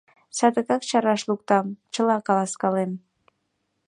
Садыгак чараш луктам, чыла каласкалем.